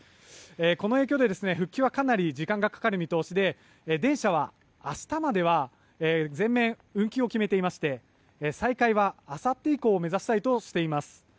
この影響で復旧はかなり時間がかかる見通しで電車は明日までは全面運休を決めていまして再開は、あさって以降を目指したいとしています。